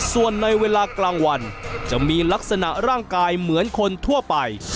ส่วนในเวลากลางวันจะมีลักษณะร่างกายเหมือนคนทั่วไป